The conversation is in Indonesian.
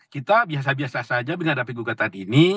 kita biasa biasa saja menghadapi gugatan ini